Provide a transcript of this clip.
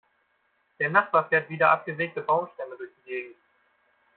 Der Nachbar fährt wieder abgesägte Baumstämme durch die Gegend.